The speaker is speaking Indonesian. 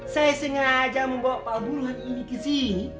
saya sengaja membawa pak bulungan ini ke sini